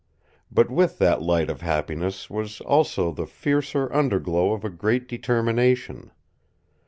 But with that light of happiness was also the fiercer underglow of a great determination.